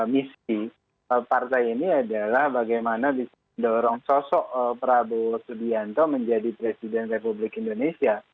misi partai ini adalah bagaimana bisa mendorong sosok prabowo subianto menjadi presiden republik indonesia